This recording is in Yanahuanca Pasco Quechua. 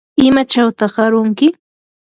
¿imachawtaq arunki?